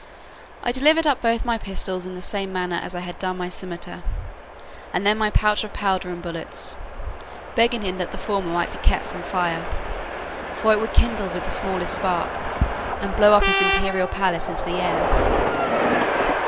I delivered up both my pistols in the same manner as I had done my scimitar, and then my pouch of powder and bullets; begging him that the former might be kept from fire, for it would kindle with the smallest spark, and blow up his imperial palace into the air.